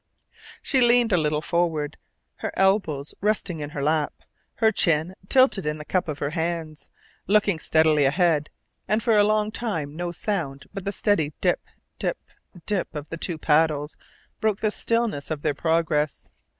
She leaned a little forward, her elbows resting in her lap, her chin tilted in the cup of her hands, looking steadily ahead, and for a long time no sound but the steady dip, dip, dip of the two paddles broke the stillness of their progress.